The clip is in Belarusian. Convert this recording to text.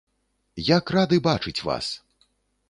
Як рады бачыць вас!